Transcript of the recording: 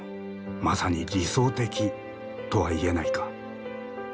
まさに理想的とは言えないか。